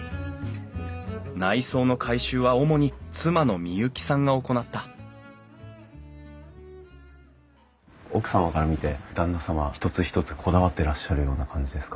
内装の改修は主に妻の美雪さんが行った奥様から見て旦那様は一つ一つこだわってらっしゃるような感じですか？